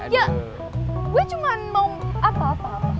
ya gue cuman mau apa apa apa